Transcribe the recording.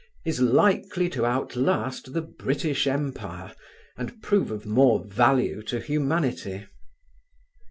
is likely to outlast the British Empire, and prove of more value to humanity.